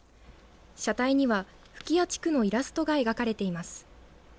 車体には吹屋地区のイラストが描かれています。